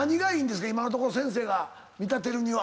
今のところ先生が見立てるには。